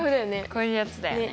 こういうやつだよね。